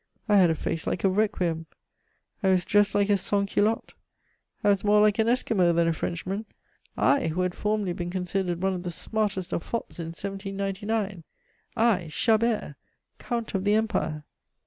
I had a face like a Requiem. I was dressed like a sans culotte. I was more like an Esquimaux than a Frenchman I, who had formerly been considered one of the smartest of fops in 1799! I, Chabert, Count of the Empire.